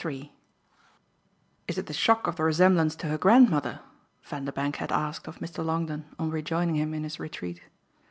III "Is it the shock of the resemblance to her grandmother?" Vanderbank had asked of Mr. Longdon on rejoining him in his retreat.